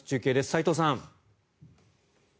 齋藤さん。